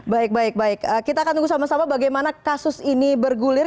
baik baik baik kita akan tunggu sama sama bagaimana kasus ini bergulir